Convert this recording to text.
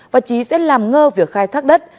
và trí sẽ làm ngơ việc khai thác đất